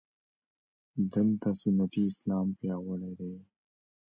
دلته سنتي اسلام پیاوړی دی.